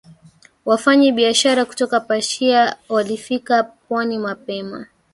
Wafanyabiashara kutoka Persia walifikia pwani mapema